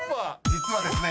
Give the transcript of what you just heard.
［実はですね